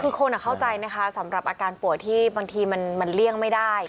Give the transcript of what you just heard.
คือคนเข้าใจนะคะสำหรับอาการป่วยที่บางทีมันเลี่ยงไม่ได้